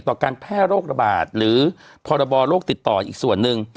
การแพร่โรคระบาดหรือพรบโรคติดต่ออีกส่วนหนึ่ง